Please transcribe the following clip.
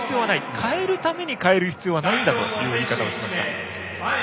変えるために変える必要はないんだという言い方をしました。